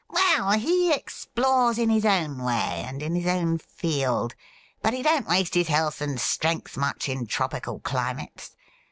' Well, he explores in his own way, and in his own field, but he don't waste his health and strength much in tropical climates.